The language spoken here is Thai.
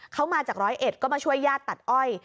เขามาจากร้อยเอ็ดก็มาช่วยญาติตัดอ้อย